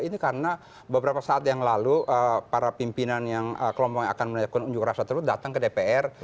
ini karena beberapa saat yang lalu para pimpinan yang kelompok yang akan melakukan unjuk rasa tersebut datang ke dpr